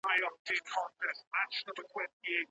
دا هر بيلتون جلا نوم او بيله طريقه لري.